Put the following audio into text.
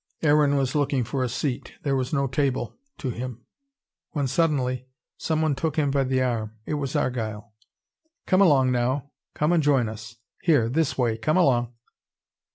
Aaron was looking for a seat there was no table to him —when suddenly someone took him by the arm. It was Argyle. "Come along, now! Come and join us. Here, this way! Come along!"